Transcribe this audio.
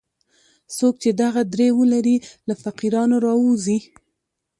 څوک چې دغه درې ولري له فقیرانو راووځي.